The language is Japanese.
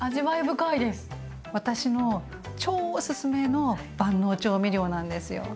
私の超おすすめの万能調味料なんですよ。